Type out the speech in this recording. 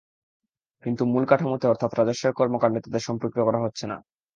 কিন্তু মূল কাঠামোতে অর্থাৎ রাজস্বের কর্মকাণ্ডে তাদের সম্পৃক্ত করা হচ্ছে না।